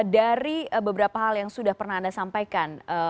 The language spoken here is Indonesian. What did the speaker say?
dari beberapa hal yang sudah pernah anda sampaikan